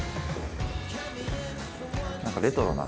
何かレトロな。